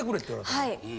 はい。